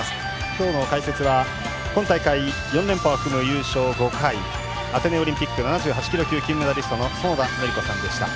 今日の解説は今大会４連覇を含む優勝５位アテネオリンピック７８キロ級金メダリストの園田教子さんでした。